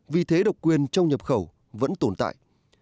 vì thế độc quyền trong nhập khẩu vẫn tồn tại